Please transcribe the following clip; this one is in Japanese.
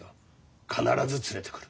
必ず連れてくる。